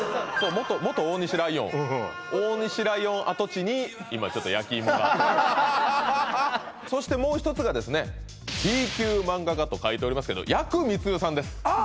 元大西ライオン大西ライオン跡地に今ちょっとやきいもがそしてもう一つがですねＢ級漫画家と書いておりますけどやくみつるさんです